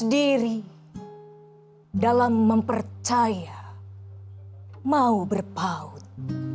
diri dalam mempercaya mau berpaut